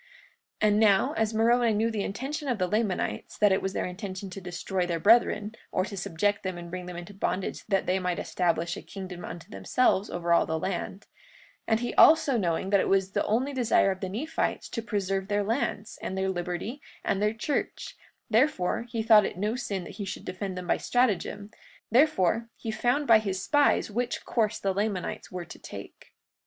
43:29 And now, as Moroni knew the intention of the Lamanites, that it was their intention to destroy their brethren, or to subject them and bring them into bondage that they might establish a kingdom unto themselves over all the land; 43:30 And he also knowing that it was the only desire of the Nephites to preserve their lands, and their liberty, and their church, therefore he thought it no sin that he should defend them by stratagem; therefore, he found by his spies which course the Lamanites were to take.